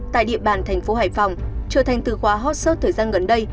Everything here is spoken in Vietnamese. tại địa bàn thành phố hải phòng trở thành từ khóa hot sot thời gian gần đây